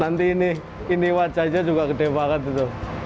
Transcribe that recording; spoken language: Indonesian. nanti ini ini wajahnya juga gede banget